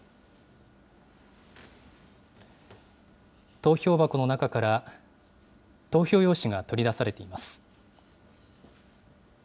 投票箱の中から投票用紙が取り出されています。